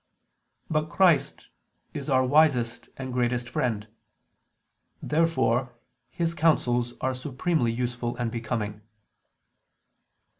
But Christ is our wisest and greatest friend. Therefore His counsels are supremely useful and becoming.